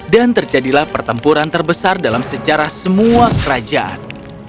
dan terjadilah pertempuran terbesar dalam sejarah semua kerajaan